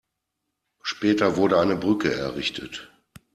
Später wurde eine Brücke errichtet.